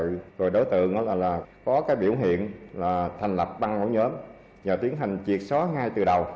rồi đối tượng có biểu hiện thành lập băng ổ nhóm và tiến hành triệt xóa ngay từ đầu